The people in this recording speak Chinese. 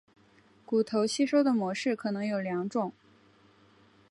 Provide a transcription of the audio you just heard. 骨头吸收的模式可能有两种。